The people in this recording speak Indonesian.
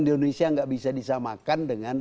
di indonesia nggak bisa disamakan dengan